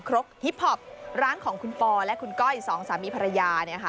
อร่อยสะท้าจนบูงกาก